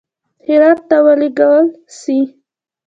هرات ته ولېږل سي.